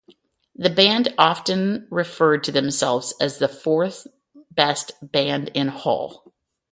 The band often referred to themselves as "the fourth best band in Hull".